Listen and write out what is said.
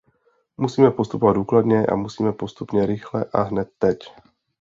Musíme postupovat důkladně; a musíme postupně rychle a hned teď.